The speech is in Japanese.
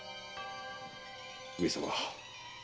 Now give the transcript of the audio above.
上様。